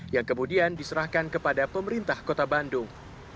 yang kemudian diserahkan kepada pemerintah kota bandung